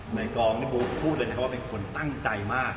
ในกรองและโบรูฟฟูตเลยนะครับว่าเป็นคนตั้งใจมาก